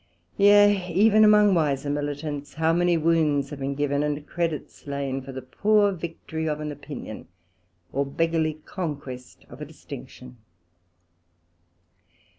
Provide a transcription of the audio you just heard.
Yea, even amongst wiser militants, how many wounds have been given, and credits slain, for the poor victory of an opinion, or beggerly conquest of a distinction?